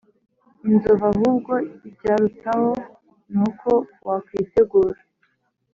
Inzovu ahubwo ibyarutaho ni uko wakwitegura